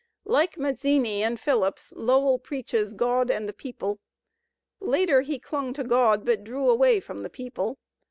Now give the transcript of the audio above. like Mazzini and Phillips, Lowell preaches God and the People. Later he clung to God but drew away from the people.